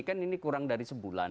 kan ini kurang dari sebulan